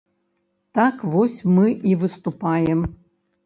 Так вось мы і выступаем.